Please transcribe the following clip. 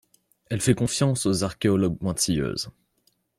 Elle fait confiance aux archéologues pointilleuses.